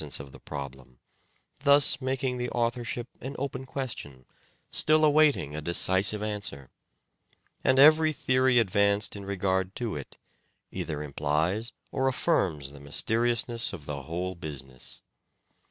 CHARACTER OF THE PROBLEM 91 problem, thus making the authorship an open question still awaiting a decisive answer ; and every theory advanced in regard to it either implies or affirms the mysteriousness of the whole business.